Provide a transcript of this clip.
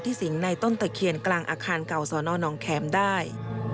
สิงในต้นตะเคียนกลางอาคารเก่าสนองแข็มได้